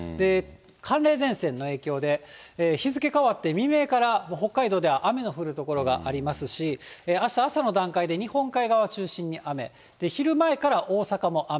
寒冷前線の影響で、日付変わって未明から北海道では雨の降る所がありますし、あした朝の段階で、日本海側を中心に雨、昼前から大阪も雨。